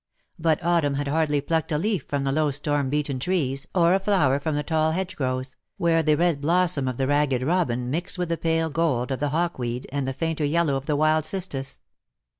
But autumn had hardly plucked a leaf from the low storm beaten trees^ or a flower from the tall hedgerows, where the red blossom of the Ragged Robin mixed with the pale gold of the hawk weed, and the fainter yellow of the wild cistus.